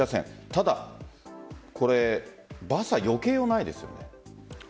ただ、バスはよけようがないですよね。